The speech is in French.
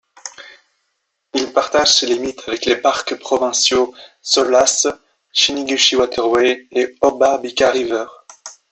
Il partage ses limites avec les parcs provinciaux Solace, Chiniguchi Waterway et Obabika River.